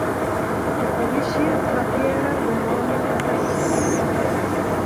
De polysje trappearre de mannen op 'e die.